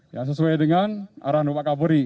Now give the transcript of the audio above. ya sesuai dengan arahan bapak kapolri